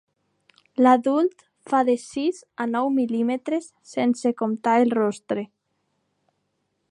L'adult fa de sis a nou mil·límetres sense comptar el rostre.